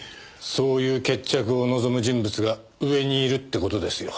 そういう決着を望む人物が上にいるって事ですよ。